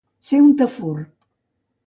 Ser un tafur.